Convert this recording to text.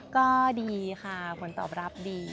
ก็ดีค่ะผลตอบรับดี